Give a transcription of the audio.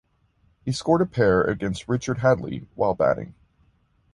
He scored a pair against Richard Hadlee while batting.